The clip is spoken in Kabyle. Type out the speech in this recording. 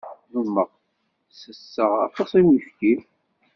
Nnummeɣ sesseɣ aṭas n uyefki.